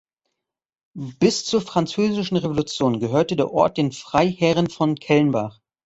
Bis zur Französischen Revolution gehörte der Ort den Freiherren von Kellenbach.